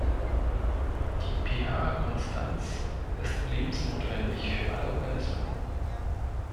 Die pH-Konstanz ist lebensnotwendig für alle Organismen.